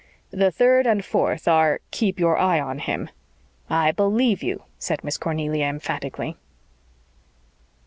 "The third and fourth are keep your eye on him." "I believe you," said Miss Cornelia emphatically.